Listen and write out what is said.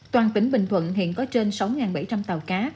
toàn tỉnh bình thuận hiện có trên sáu bảy trăm linh tàu cá